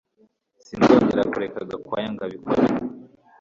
Sinzongera kureka Gakwaya ngo abikore